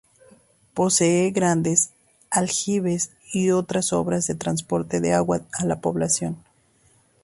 Posee grandes aljibes y otras obras de transporte de agua a la población.